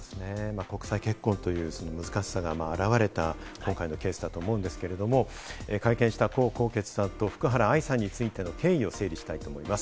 国際結婚という難しさが現れた今回のケースだと思うんですけれども、会見したコウ・コウケツさんと福原愛さんについての経緯を整理したいと思います。